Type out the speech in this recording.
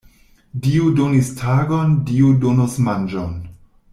Dio donis tagon, Dio donos manĝon.